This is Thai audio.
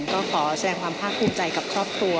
ก็ขอแสดงความภาคภูมิใจกับครอบครัว